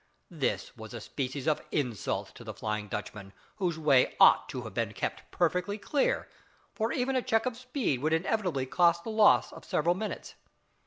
This was a species of insult to the "Flying Dutchman," whose way ought to have been kept perfectly clear, for even a check of speed would inevitably cause the loss of several minutes.